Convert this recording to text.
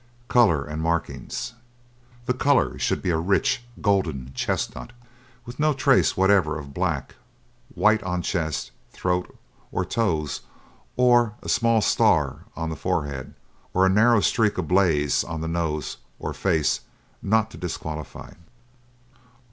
COLOUR AND MARKINGS The colour should be a rich golden chestnut, with no trace whatever of black; white on chest, throat, or toes, or a small star on the forehead, or a narrow streak or blaze on the nose or face not to disqualify.